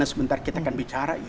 sebentar kita akan bicara